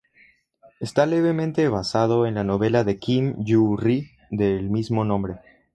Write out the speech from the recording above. Esta levemente basado en la novela de Kim Yu Ri del mismo nombre.